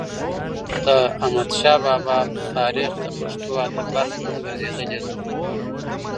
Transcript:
د احمدشا بابا تاریخ د پښتو ادب برخه هم ګرځېدلې ده.